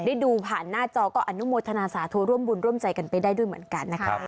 ได้ดูผ่านหน้าจอก็อนุโมทนาสาธุร่วมบุญร่วมใจกันไปได้ด้วยเหมือนกันนะคะ